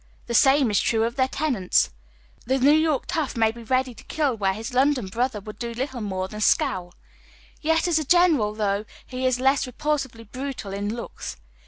The same is true of their tenants. The New York tough may be ready to kill where his London brother would do little more than scow! ; yet, as a general tiling he is less re pulsively brutal in looks.